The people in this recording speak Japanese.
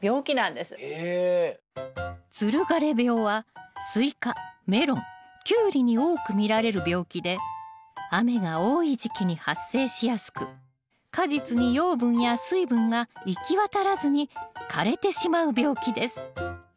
つる枯病はスイカメロンキュウリに多く見られる病気で雨が多い時期に発生しやすく果実に養分や水分が行き渡らずに枯れてしまう病気です。